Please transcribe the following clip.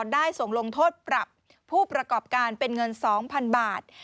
ได้ส่งลงโทษปรับผู้ประกอบการเป็นเงิน๒๐๐๐บาท